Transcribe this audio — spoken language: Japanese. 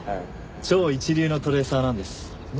超一流のトレーサーなんです。